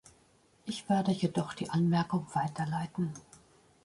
Ich werde jedoch die Anmerkung weiterleiten.